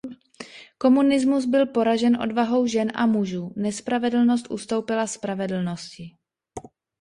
Komunismus byl poražen odvahou žen a mužů; nespravedlnost ustoupila spravedlnosti.